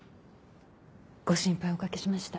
ご心配おかけしました。